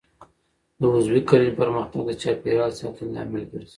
د عضوي کرنې پرمختګ د چاپیریال د ساتنې لامل ګرځي.